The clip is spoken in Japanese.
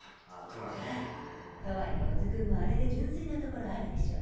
悪魔め！とはいえ小津君もあれで純粋なところあるでしょ？